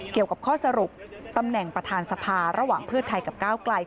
เกี่ยวกับข้อสรุปตำแหน่งประธานสภาระหว่างเพื่อไทยกับก้าวไกล